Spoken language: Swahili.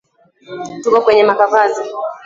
Tuko kwenye makavazi